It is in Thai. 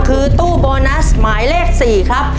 คือตู้โบนัสหมายเลข๔ครับ